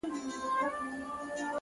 • زه په لمبو کي د پتنګ میني منلی یمه,